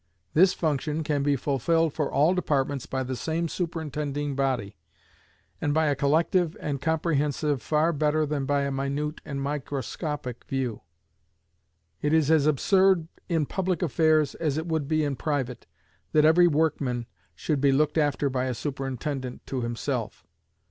This function can be fulfilled for all departments by the same superintending body, and by a collective and comprehensive far better than by a minute and microscopic view. It is as absurd in public affairs as it would be in private, that every workman should be looked after by a superintendent to himself.